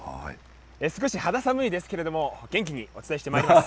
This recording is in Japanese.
少し肌寒いですけれども、元気にお伝えしてまいります。